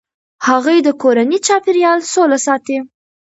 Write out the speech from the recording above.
هغې د کورني چاپیریال سوله ساتي.